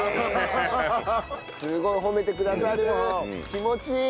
気持ちいい！